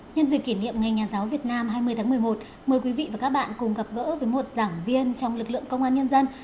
nhân dịp kỷ niệm ngày nhà giáo việt nam hai mươi tháng một mươi một mời quý vị và các bạn cùng gặp gỡ với một giảng viên trong lực lượng công an nhân dân